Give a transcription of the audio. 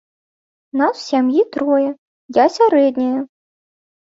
Нас у сям'і трое, я сярэдняя.